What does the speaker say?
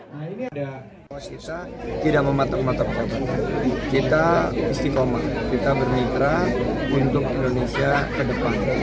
nah ini ada kita tidak mematok matok jabatan kita istikomah kita bermitra untuk indonesia ke depan